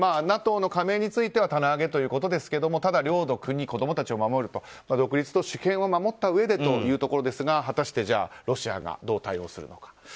ＮＡＴＯの加盟については棚上げということですが領土、国、子供たちを守る独立と主権を守ったうえでというところですが果たして、ロシアがどう対応するのか。